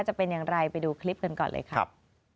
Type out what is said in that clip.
จะเป็นอย่างไรไปดูคลิปกันก่อนเลยครับ